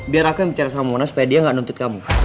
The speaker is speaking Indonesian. biar aku bicara sama monas supaya dia gak nuntut kamu